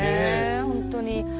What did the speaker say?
本当に。